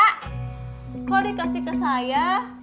kok dikasih ke saya